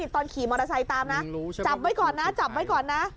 ตอนขี่มอเตอร์ไซค์ตามนะจับไว้ก่อนนะจับไว้ก่อนนะ